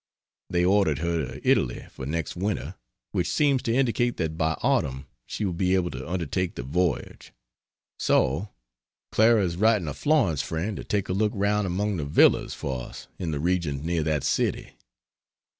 They ordered her to Italy for next winter which seems to indicate that by autumn she will be able to undertake the voyage. So Clara is writing a Florence friend to take a look round among the villas for us in the regions near that city.